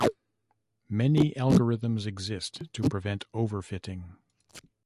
Many algorithms exist to prevent overfitting.